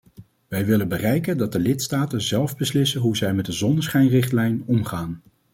Wij willen bereiken dat de lidstaten zelf beslissen hoe zij met deze zonneschijnrichtlijn omgaan.